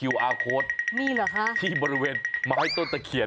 มีเหรอคะไม่มีค่ะไม่มีที่บริเวณไม้ต้นแต่เขียน